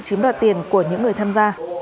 chiếm đoạt tiền của những người tham gia